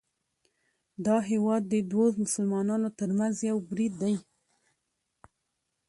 دا هیواد د دوو مسلمانانو ترمنځ یو برید دی